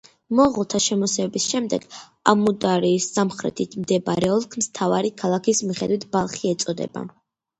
მონღოლთა შემოსევების შემდეგ ამუდარიის სამხრეთით მდებარე ოლქს მთავარი ქალაქის მიხედვით ბალხი ეწოდა.